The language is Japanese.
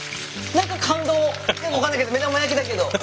なんか分かんないけど目玉焼きだけど。